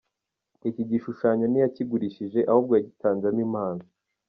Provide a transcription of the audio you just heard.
Iki gishushanyo ntiyakigurishije, ahubwo yagitanzemo impano.